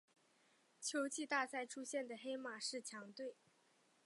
秋季大赛出现的黑马式强队。